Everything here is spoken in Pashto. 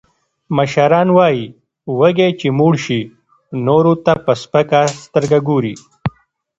مشران وایي: وږی چې موړ شي، نورو ته په سپکه سترګه ګوري.